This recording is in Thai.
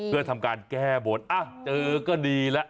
เพื่อทำการแก้บนเจอก็ดีแล้ว